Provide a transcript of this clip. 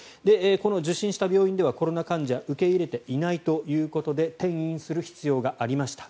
この受診した病院ではコロナ患者を受け入れていないということで転院する必要がありました。